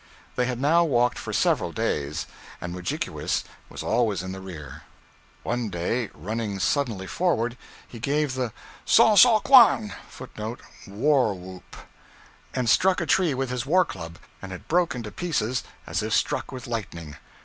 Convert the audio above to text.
They had now walked for several days, and Mudjikewis was always in the rear. One day, running suddenly forward, he gave the saw saw quan,{footnote [War whoop.]} and struck a tree with his war club, and it broke into pieces as if struck with lightning.